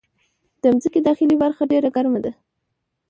د مځکې داخلي برخه ډېره ګرمه ده.